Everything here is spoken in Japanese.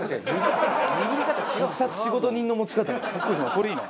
これいいな！